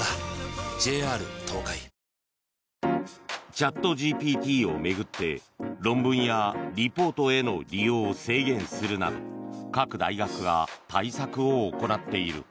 チャットＧＰＴを巡って論文やレポートへの利用を制限するなど各大学が対策を行っている。